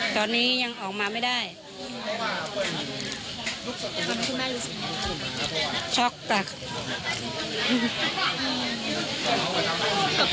ตอนนี้ยังออกมาไม่ได้ทำให้คุณแม่รู้สึกยังไง